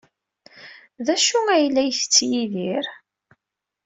D acu ay la yettett Yidir?